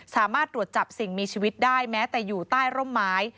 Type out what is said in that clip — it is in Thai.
สามารถตรวจจับสิ่งมีชีวิตได้แม้แต่อยู่ใต้ร่มไม้